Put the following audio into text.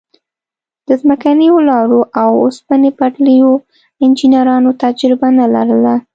د ځمکنیو لارو او اوسپنې پټلیو انجنیرانو تجربه نه لرله.